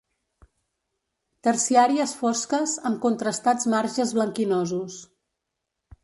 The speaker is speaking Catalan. Terciàries fosques amb contrastats marges blanquinosos.